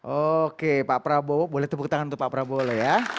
oke pak prabowo boleh tepuk tangan untuk pak prabowo loh ya